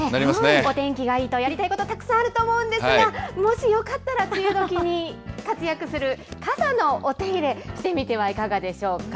お天気がいいとやりたいこと、たくさんあると思うんですが、もしよかったら、活躍する傘のお手入れ、してみてはいかがでしょうか。